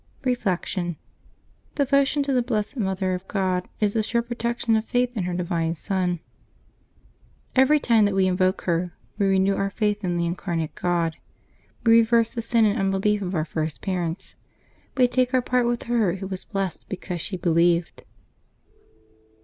Reflection. — Devotion to the blessed Mother of God is the sure protection of faith in her Divine Son. Every time that we invoke her, we renew our faith in the Incarnate God ; we reverse the sin and unbelief of our first parents ; we take our part with her who was blessed because she believed.